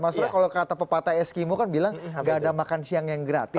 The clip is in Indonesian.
mas roy kalau kata pepatah eskimo kan bilang gak ada makan siang yang gratis